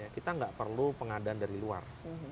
kita nggak perlu pengadaan dari luar